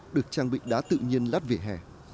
được trang bị đá tự nhiên lát vỉa hè